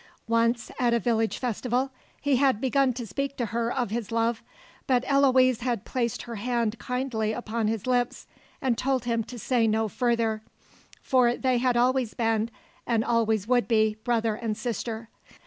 Once, at a village festival, he had begun to speak to her of his love; but Eloise had placed her hand kindly upon his lips and told him to say no further, for they had always been and always would be brother and sister.